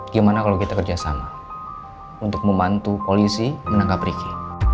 gimana kalau kita kerjasama untuk membantu polisi menangkap riki